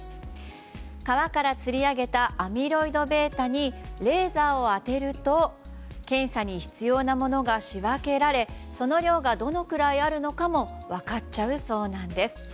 川から釣り上げたアミロイドβにレーザーを当てると検査に必要なものが仕分けられその量が、どのくらいあるのかも分かっちゃうそうなんです。